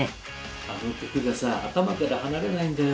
あの曲がさ頭から離れないんだよ。